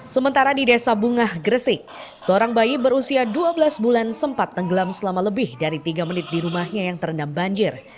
sementara di desa bungah gresik seorang bayi berusia dua belas bulan sempat tenggelam selama lebih dari tiga menit di rumahnya yang terendam banjir